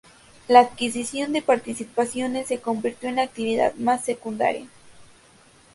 La adquisición de participaciones se convirtió en una actividad más secundaria.